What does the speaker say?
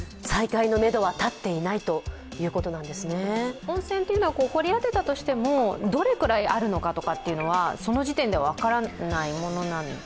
温泉というのは掘り当てたとしてもどれくらいあるのかというのは、その時点では分からないものなんですか？